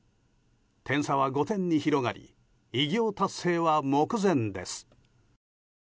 点差は５点に広がり偉業達成は目前です。